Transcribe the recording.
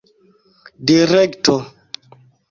direkto